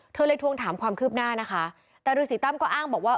เธอเลยทวงถามความคืบหน้านะคะแต่ฤษีตั้มก็อ้างบอกว่า